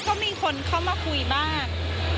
ก็มีคนเข้ามาคุยบ้าง